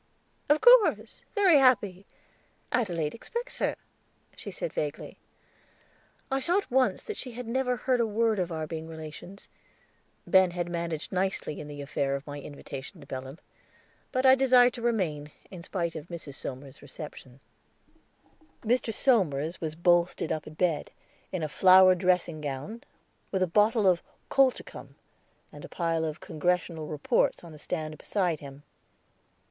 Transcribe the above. "Of course, very happy; Adelaide expects her," she said vaguely. I saw at once that she had never heard a word of our being relations. Ben had managed nicely in the affair of my invitation to Belem. But I desired to remain, in spite of Mrs. Somers's reception. Mr. Somers was bolstered up in bed, in a flowered dressing gown, with a bottle of colchicum and a pile of Congressional reports on a stand beside him.